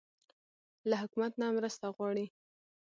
له حکومت نه مرسته غواړئ؟